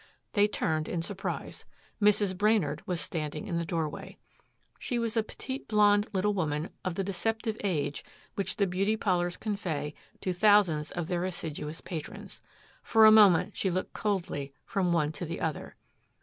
They turned in surprise. Mrs. Brainard was standing in the doorway. She was a petite blonde little woman of the deceptive age which the beauty parlors convey to thousands of their assiduous patrons. For a moment she looked coldly from one to the other.